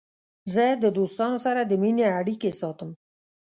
زه د دوستانو سره د مینې اړیکې ساتم.